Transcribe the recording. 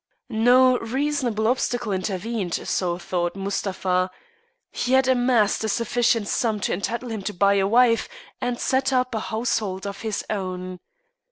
No reasonable obstacle intervened, so thought Mustapha. He had amassed a sufficient sum to entitle him to buy a wife and set up a household of his own.